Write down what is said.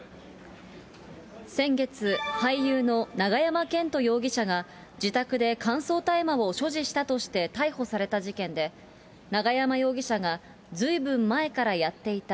先月、俳優の永山絢斗容疑者が、自宅で乾燥大麻を所持したとして逮捕された事件で、永山容疑者が、ずいぶん前からやっていた。